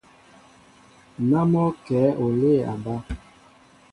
Ná mɔ́ o kɛ̌ olê a bá.